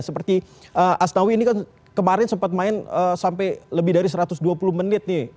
seperti asnawi ini kan kemarin sempat main sampai lebih dari satu ratus dua puluh menit nih